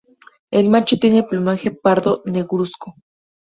El macho tiene el plumaje pardo negruzco.